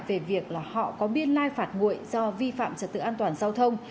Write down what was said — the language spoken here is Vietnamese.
về việc là họ có biên lai phạt nguội do vi phạm trật tự an toàn giao thông